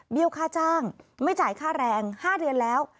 ค่าจ้างไม่จ่ายค่าแรง๕เดือนแล้ว